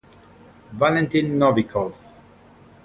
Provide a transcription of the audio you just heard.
Valentin Novikov